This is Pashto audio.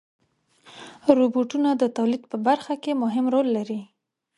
روبوټونه د تولید په برخه کې مهم رول لري.